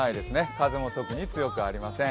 風も特に強くありません。